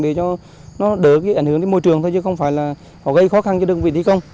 để cho nó đỡ cái ảnh hưởng đến môi trường thôi chứ không phải là họ gây khó khăn cho đơn vị thi công